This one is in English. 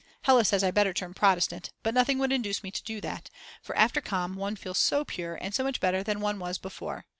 Hella says I'd better turn Protestant, but nothing would induce me to do that; for after Com. one feels so pure and so much better than one was before.